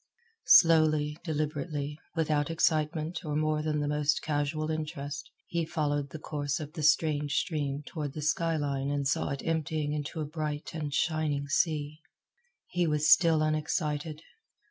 Slowly, deliberately, without excitement or more than the most casual interest, he followed the course of the strange stream toward the sky line and saw it emptying into a bright and shining sea. He was still unexcited.